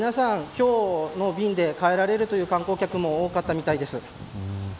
今日の便で帰られるという観光客も多かったみたいです。